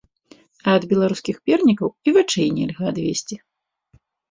А ад беларускіх пернікаў і вачэй нельга адвесці.